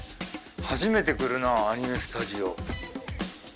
初めて来るなアニメスタジオ。